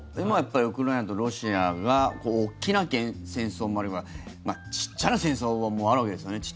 今はやっぱりウクライナとロシアが大きな戦争もあればちっちゃな戦争もあるわけですよね。